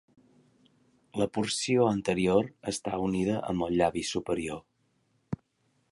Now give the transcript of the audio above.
La porció anterior està unida amb el llavi superior.